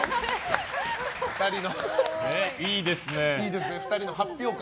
２人、いいですね。